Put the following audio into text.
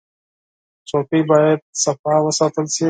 چوکۍ باید پاکه وساتل شي.